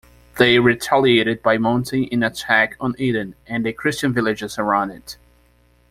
They retaliated by mounting an attack on Ehden and the Christian villages around it.